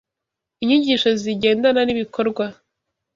inyigisho zigendana n’ibikorwa